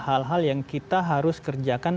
hal hal yang kita harus kerjakan